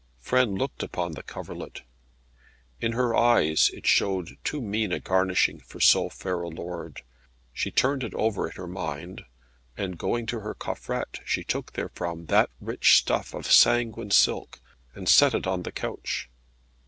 Frêne looked upon the coverlet: in her eyes it showed too mean a garnishing for so fair a lord. She turned it over in her mind, and going to her coffret she took therefrom that rich stuff of sanguine silk, and set it on the couch.